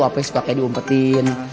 apa yang suka kayak diumpetin